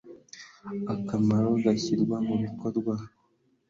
akamaro gishyirwa mu bikorwa